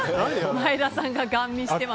前田さん